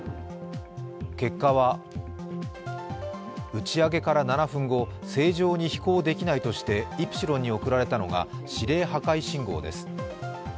結果は、打ち上げから７分後、正常に飛行できないとしてイプシロンに送られたのが指令破壊信号です。